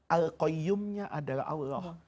alquayumnya adalah allah